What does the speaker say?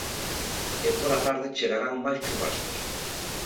E pola tarde chegarán máis chuvascos.